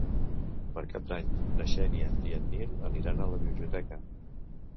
Per Cap d'Any na Xènia i en Nil aniran a la biblioteca.